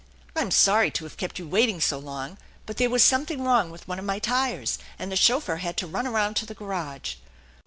I'm sorry to have kept you waiting so long; but there was something wrong with one of my tires, and the chauffeur had to run around to the garage.